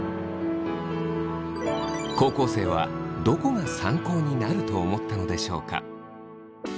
高校生はどこが参考になると思ったのでしょうか？